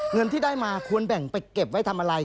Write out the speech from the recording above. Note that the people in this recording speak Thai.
เงินที่ได้มาควรแบ่งไปเก็บไว้ทำอะไร